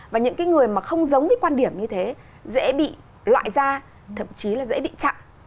và những cái người mà không giống cái quan điểm như thế dễ bị loại ra thậm chí là dễ bị chặn